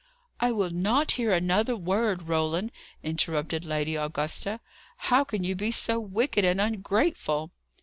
"I will not hear another word, Roland," interrupted Lady Augusta. "How can you be so wicked and ungrateful?"